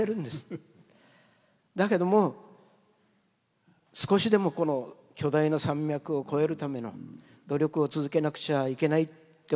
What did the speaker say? だけども少しでもこの巨大な山脈を越えるための努力を続けなくちゃいけないって思ってるところですね。